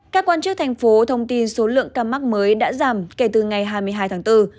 các quan chức thành phố thông tin số lượng ca mắc mới đã giảm kể từ ngày hai mươi hai tháng bốn